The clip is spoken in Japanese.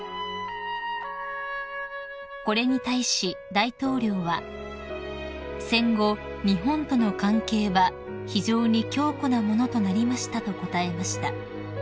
［これに対し大統領は「戦後日本との関係は非常に強固なものとなりました」と応えました］